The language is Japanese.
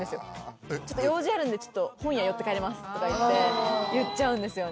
「用事あるんで本屋寄って帰ります」とか言っちゃうんですよね。